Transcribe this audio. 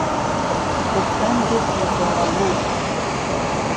بهفران گرت له کۆڵانه